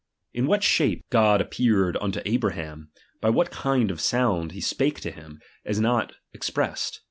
In what shape I pe 1 ■ God appeared unto Abraham, by what kindn sound he spake to him, is not expressed.